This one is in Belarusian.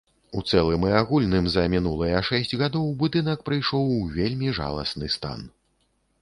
У цэлым і агульным за мінулыя шэсць гадоў будынак прыйшоў у вельмі жаласны стан.